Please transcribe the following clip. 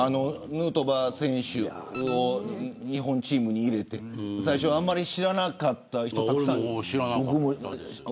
ヌートバー選手を日本のチームに入れて最初、知らない人がたくさんいたけど。